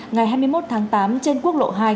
ngày hai mươi một tháng tám trên quốc lộ hai